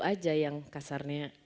aja yang kasarnya